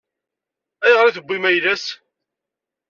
Ayɣer i tewwim ayla-s?